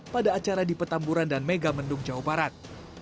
pada acara di petamburan dan megamendung jawa barat